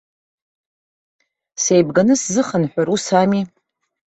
Сеибганы сзыхынҳәыр, усами?